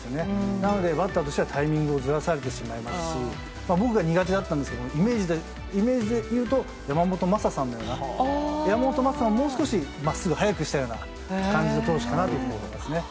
なのでバッターとしてはタイミングをずらされてしまいますし僕が苦手だったんですけどイメージでいうと山本昌さんのような山本昌さんはまっすぐを速くしたような感じの投手かと思いますね。